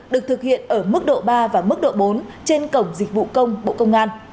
được thực hiện ở mức độ ba và mức độ bốn trên cổng dịch vụ công bộ công an